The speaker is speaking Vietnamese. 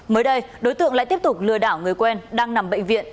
mới đây đối tượng lại tiếp tục lừa đảo người quen đang nằm bệnh viện